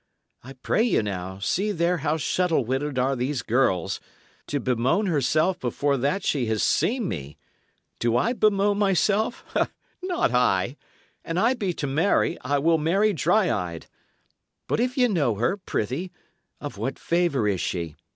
I pray ye now, see there how shuttle witted are these girls: to bemoan herself before that she had seen me! Do I bemoan myself? Not I. An I be to marry, I will marry dry eyed! But if ye know her, prithee, of what favour is she?